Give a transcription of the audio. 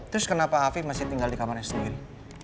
terus kenapa afif masih tinggal di kamarnya sendiri